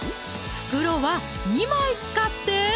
袋は２枚使って！